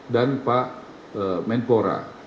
dan pak menpora